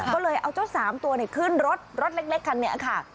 ก็เลยเอาเจ้า๓ตัวขึ้นรถรถเล็กคันนี้ค่ะ